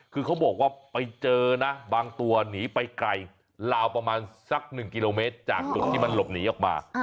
คือเขาบอกว่าไปเจอนะบางตัวหนีไปไกลลาวประมาณสัก๑กิโลเมตรจากจุดที่มันหลบหนีออกมา